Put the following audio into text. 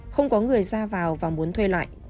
không có người ra vào và muốn thuê lại